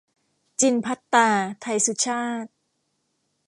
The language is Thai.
จิณภัทตา ไทยสุชาต